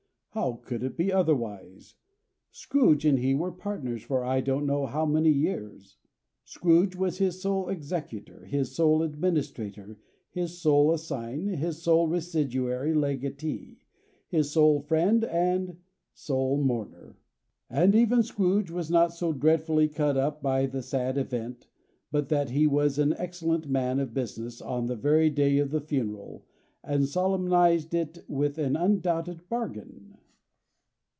How could it be otherwise? Scrooge and he were partners for I don't know how many years. Scrooge was his sole executor, his sole administrator, his sole assign, his sole residuary legatee, his sole friend, and sole mourner. And even Scrooge was not so dreadfully cut up by the sad event, but that he was an excellent man of business on the very day of the funeral, and solemnized it with an undoubted bargain.